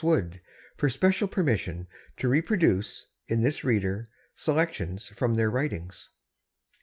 Wood, for special permission to reproduce, in this Reader, selections from their writings.